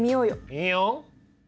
いいよ。